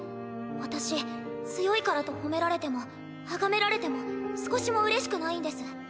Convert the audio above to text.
私強いからと褒められてもあがめられても少しもうれしくないんです。